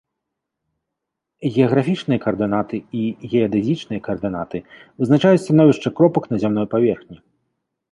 Геаграфічныя каардынаты і геадэзічныя каардынаты вызначаюць становішча кропак на зямной паверхні.